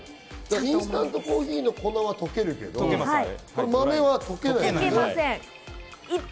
インスタントコーヒーの粉は溶けるけどこの豆は溶けない。